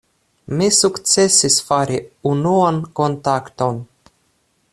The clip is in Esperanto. Mi sukcesis fari unuan kontakton.